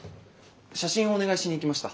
写真をお願いしに行きました。